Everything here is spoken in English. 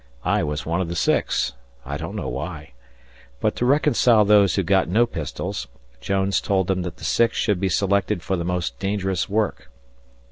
I was one of the six I don't know why. But to reconcile those who got no pistols, Jones told them that the six should be selected for the most dangerous work.